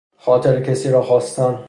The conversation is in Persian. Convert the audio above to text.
خاطر کسی را خواستن